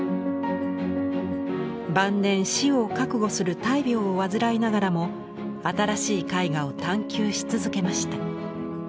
晩年死を覚悟する大病を患いながらも新しい絵画を探求し続けました。